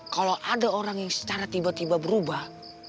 kalau ada orang yang secara tiba tiba berubah